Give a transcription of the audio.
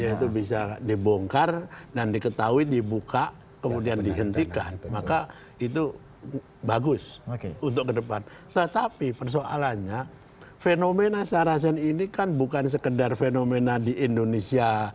itu bisa dibongkar dan diketahui dibuka kemudian dihentikan maka itu bagus untuk kedepan tetapi persoalannya fenomena sarasen ini kan bukan sekedar fenomena di indonesia